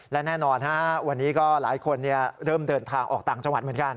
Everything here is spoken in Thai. และแน่นอนวันนี้ก็หลายคนเริ่มเดินทางออกต่างจังหวัดเหมือนกัน